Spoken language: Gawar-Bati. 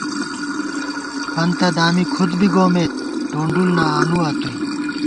فنتہ دامی کھُد بی گومېت ٹونڈُل نہ آنُوا توئیں